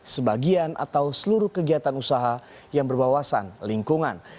sebagian atau seluruh kegiatan usaha yang berbawasan lingkungan